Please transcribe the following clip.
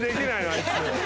あいつ。